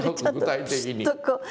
具体的に。